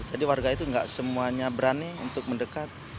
warga itu tidak semuanya berani untuk mendekat